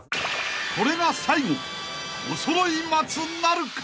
［これが最後おそろい松なるか？］